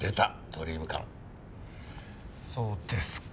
そうですか。